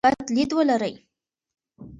مثبت لید ولرئ.